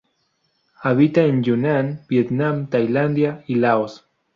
Habita en Yunnan, Vietnam, Tailandia y Laos.